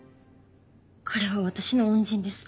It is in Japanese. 彼は私の恩人です。